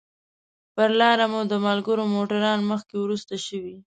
پر لاره مو د ملګرو موټران مخکې وروسته شوي.